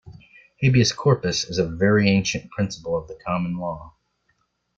Habeas corpus is a very ancient principle of the common law